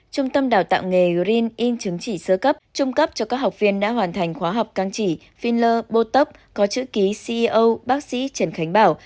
trung tâm đào tạo nghề green in chứng chỉ sơ cấp trung cấp cho các học viên đã hoàn thành khóa học căng chỉ phin lơ bốt tóc có chữ ký ceo bác sĩ trần khánh bảo